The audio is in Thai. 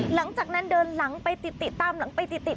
หลังจากนั้นเดินหลังไปติดตามหลังไปติด